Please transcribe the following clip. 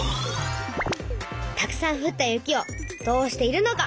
たくさんふった雪をどうしているのか。